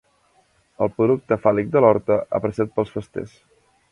El producte fàl·lic de l'Horta apreciat pels festers.